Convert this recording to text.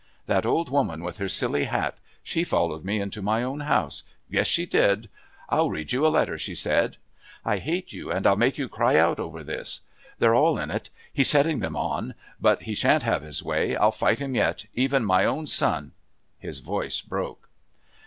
"That old woman with her silly hat, she followed me into my own house. Yes, she did! 'I'll read you a letter,' she said. 'I hate you, and I'll make you cry out over this.' They're all in it. He's setting them on. But he shan't have his way. I'll fight him yet. Even my own son " His voice broke.